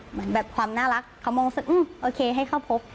เหมือนแบบความน่ารักเขามองสักโอเคให้เข้าพบ